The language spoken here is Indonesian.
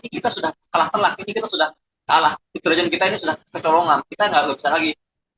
kita sudah kalah kalah kita sudah kalah kita sudah kecolongan kita nggak bisa lagi